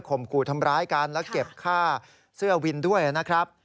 ขู่ทำร้ายกันและเก็บค่าเสื้อวินด้วยนะครับ